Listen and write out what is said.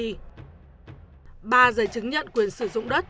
ba giấy chứng nhận quyền sử dụng đất